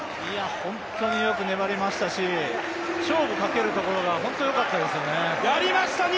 本当によく粘りましたし勝負かけるところが本当によかったですね。